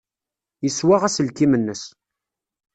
Yeswaɣ aselkim-nnes.